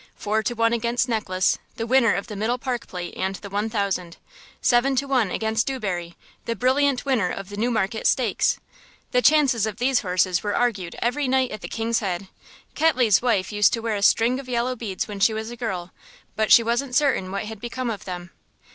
Four to one against Necklace, the winner of the Middle Park Plate and the One Thousand. Seven to one against Dewberry, the brilliant winner of the Newmarket stakes. The chances of these horses were argued every night at the "King's Head." Ketley's wife used to wear a string of yellow beads when she was a girl, but she wasn't certain what had become of them.